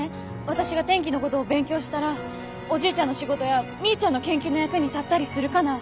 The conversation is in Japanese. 私が天気のごどを勉強したらおじいちゃんの仕事やみーちゃんの研究の役に立ったりするかな？